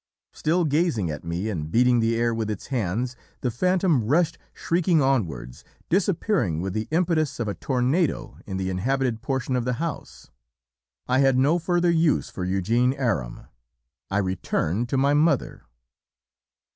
"Still gazing at me and beating the air with its hands, the phantom rushed shrieking onwards, disappearing with the impetus of a tornado in the inhabited portion of the house. "I had no further 'use' for 'Eugene Aram.' I returned to my mother.